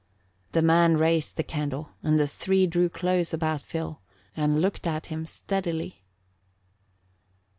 The man raised the candle and the three drew close about Phil and looked at him steadily.